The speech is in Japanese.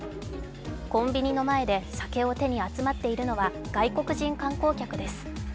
コンビニの前で酒を手に集まっているのは外国人観光客です。